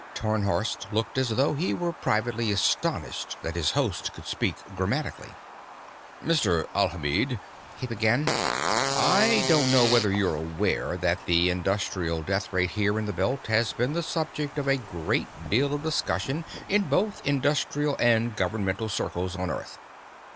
Tarnhorst looked as though he were privately astonished that his host could speak grammatically. "Mr. Alhamid," he began, "I don't know whether you're aware that the industrial death rate here in the Belt has been the subject of a great deal of discussion in both industrial and governmental circles on Earth."